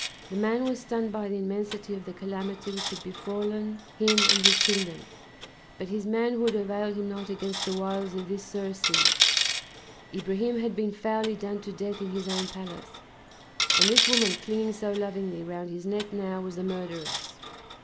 The man was stunned by the immensity of the calamity which had befallen him and his kingdom, but his manhood availed him not against the wiles of this Circe. Ibrahim had been foully done to death in his own palace, and this woman clinging so lovingly round his neck now was the murderess.